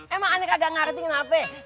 emang aneh kagak ngerti kenapa ya